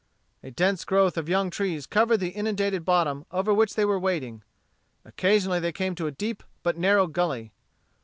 A dense growth of young trees covered the inundated bottom over which they were wading. Occasionally they came to a deep but narrow gully.